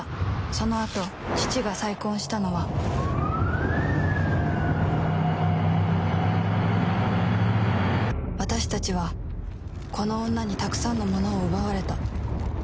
そのあと父が再婚したのは私たちは、この女にたくさんのものを奪われた。